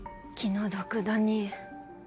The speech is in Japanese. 気の毒だに。